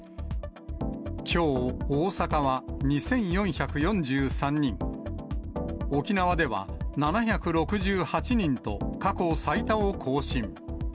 きょう、大阪は２４４３人、沖縄では７６８人と、過去最多を更新。